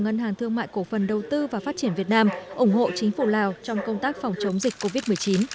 ngân hàng thương mại cổ phần đầu tư và phát triển việt nam ủng hộ chính phủ lào trong công tác phòng chống dịch covid một mươi chín